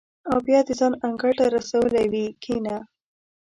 او بیا دې ځان انګړ ته رسولی وي کېنه.